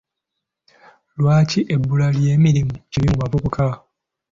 Lwaki ebbula ly'emirimu kibi mu bavubuka?